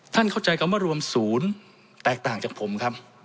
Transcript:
เข้าใจคำว่ารวมศูนย์แตกต่างจากผมครับ